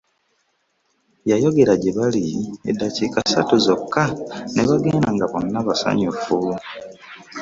Yayogera gye bali eddakiika ssatu zokka ne bagenda nga bonna basanyufu.